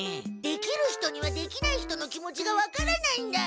できる人にはできない人の気持ちが分からないんだ。